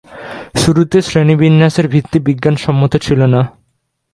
শুরুতে শ্রেণিবিন্যাসের ভিত্তি বিজ্ঞানসম্মত ছিল না।